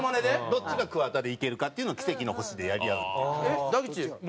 どっちが桑田でいけるかっていうのを『奇跡の地球』でやり合うっていう。